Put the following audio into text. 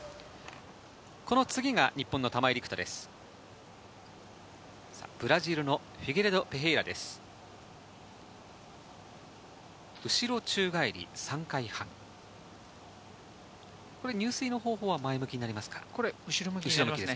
この次が日本の玉井陸斗です。